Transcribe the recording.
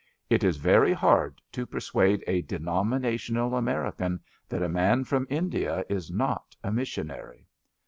It is very hard to persuade a denominational American that a man from India is not a missionary.